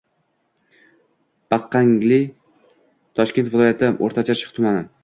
Baqaqangli – q., Toshkent viloyati O‘rta-Chirchiq tumani.